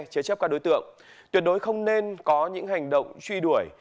chế chấp các đối tượng tuyệt đối không nên có những hành động truy đuổi